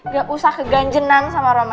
gak usah keganjenan sama roma